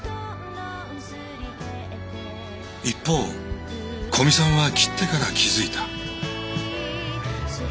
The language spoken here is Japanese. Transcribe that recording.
一方古見さんは切ってから気付いた。